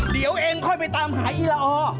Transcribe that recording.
เดี๋ยวเองค่อยไปตามหาอีละอ